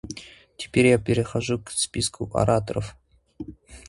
Теперь я перехожу к списку ораторов.